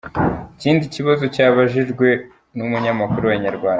Ikindi kibazo cyabajijwe n'umunyamakuru wa Inyarwanda.